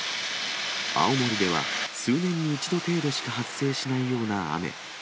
青森では数年に一度程度しか発生しないような雨。